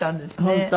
本当。